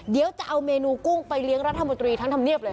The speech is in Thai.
เดี๋ยวจะเอาเมนูกุ้งไปเลี้ยงรัฐมนตรีทั้งธรรมเนียบเลย